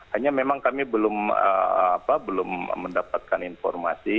hanya memang kami belum mendapatkan informasi